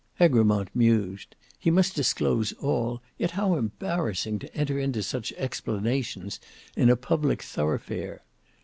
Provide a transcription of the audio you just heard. Egremont mused: he must disclose all, yet how embarrassing to enter into such explanations in a public thoroughfare!